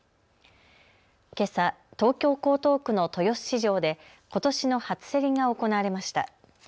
けさ、東京江東区の豊洲市場でことしの初競りが行われました。